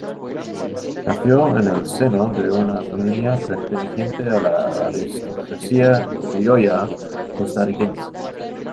Nació en el seno de una familia perteneciente a la aristocracia criolla costarricense.